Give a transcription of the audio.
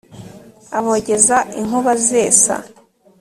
Abogeza inkuba zesa,